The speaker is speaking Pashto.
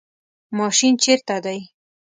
ماشین چیرته دی؟